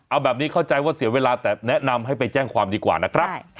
เอาแบบนี้เข้าใจว่าเสียเวลาแต่แนะนำให้ไปแจ้งความดีกว่านะครับ